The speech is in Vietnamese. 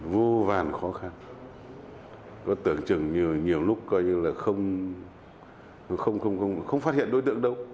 vô vàn khó khăn có tưởng chừng nhiều lúc không phát hiện đối tượng đâu